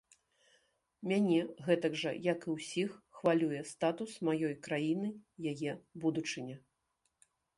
Мяне гэтак жа, як і ўсіх, хвалюе статус маёй краіны, яе будучыня.